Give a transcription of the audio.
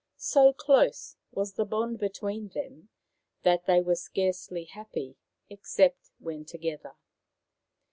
So close was the bond between them that they were scarcely happy except when together.